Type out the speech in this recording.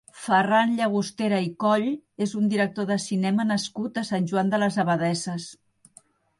Ferran Llagostera i Coll és un director de cinema nascut a Sant Joan de les Abadesses.